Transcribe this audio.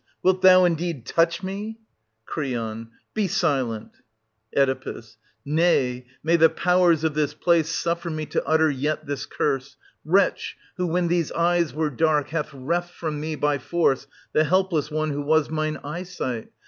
Wilt thou indeed touch Oe. Nay, may the powers of this place suffer me to utter yet this curse ! Wretch, who, when these eyes were dark, hast reft from me by force the helpless one who was mine eyesight